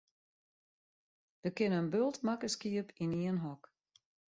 Der kinne in bult makke skiep yn ien hok.